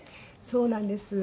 そうなんです。